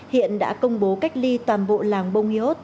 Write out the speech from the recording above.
hiện đã công bố cách ly toàn bộ làng bông iot